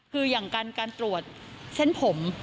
คืออย่างการตรวจเส้นผม